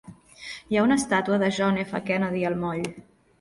Hi ha una estàtua de John F. Kennedy al moll.